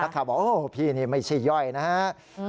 นักข่าวบอกพี่นี่ไม่ใช่ย่อยนะครับ